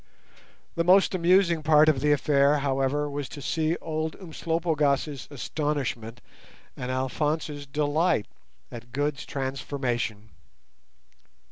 The most amusing part of the affair, however, was to see old Umslopogaas's astonishment and Alphonse's delight at Good's transformation.